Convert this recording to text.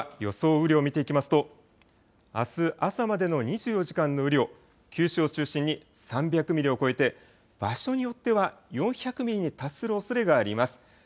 雨量を見ていきますと、あす朝までの２４時間の雨量、九州を中心に３００ミリを超えて、場所によっては４００ミリに達するおそれがあります。